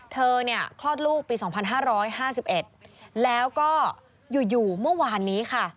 เธอเนี่ยคลอดลูกปี๒๕๕๑แล้วก็อยู่เมื่อวานนี้ค่ะ